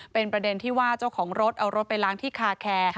เป็นประเด็นที่ว่าเจ้าของรถเอารถไปล้างที่คาแคร์